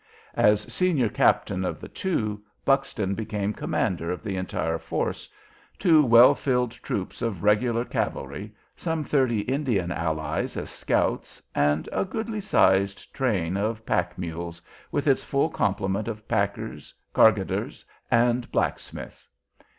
As senior captain of the two, Buxton became commander of the entire force, two well filled troops of regular cavalry, some thirty Indian allies as scouts, and a goodly sized train of pack mules, with its full complement of packers, cargadors, and blacksmiths.